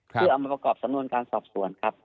เพื่อเอามาประกอบสำนวนการสอบสวนครับ